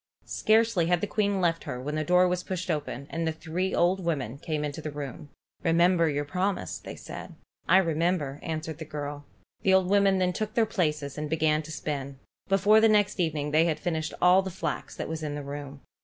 Scarcely had the Queen left her when the door was pushed open, and the three old women came into the room. "Remember your promise," said they. "I remember," answered the girl. The old women then took their places and began to spin. Before the next evening they had finished all the flax that was in the room.